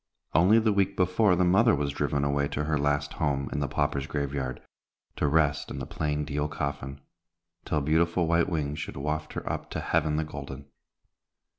Only the week before, the mother was driven away to her last home in the paupers' grave yard, to rest in the plain deal coffin, till beautiful white wings should waft her up to Heaven the Golden.